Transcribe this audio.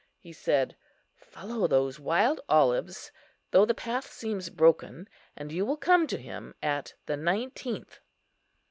He said, "Follow those wild olives, though the path seems broken, and you will come to him at the nineteenth."